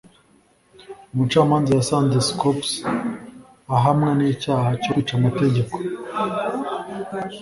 Umucamanza yasanze Scopes ahamwa n'icyaha cyo kwica amategeko.